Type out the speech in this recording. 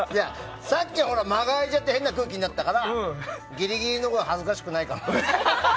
さっきは間が空いちゃって変な空気になったからギリギリのほうが恥ずかしくないかなって。